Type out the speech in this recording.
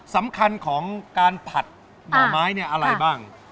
สำคัญของการผัดหน่อไม้เนี่ยอะไรบ้าง